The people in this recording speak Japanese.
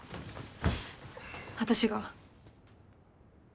私が。